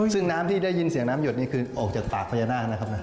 ซึ่งน้ำที่ได้ยินเสียงน้ำหยดนี่คือออกจากปากพญานาคนะครับ